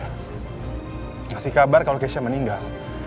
kamu masih tahu kalau keisha meninggal